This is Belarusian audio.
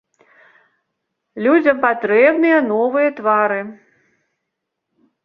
Людзям патрэбныя новыя твары.